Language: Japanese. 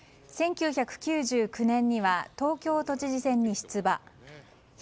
１９９９年には東京都知事選に出馬。